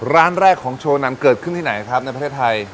ร้านแรกของโชว์นำเกิดขึ้นที่ไหนครับในประเทศไทย